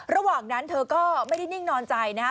ระหว่างนั้นเธอก็ไม่ได้นิ่งนอนใจนะฮะ